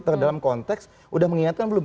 terdalam konteks udah mengingatkan belum